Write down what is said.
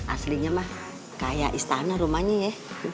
aslinya mah kayak istana rumahnya ya